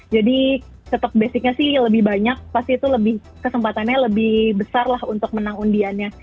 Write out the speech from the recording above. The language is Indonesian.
jadi tetep basicnya sih lebih banyak pasti itu lebih kesempatannya lebih besar lah untuk menang undiannya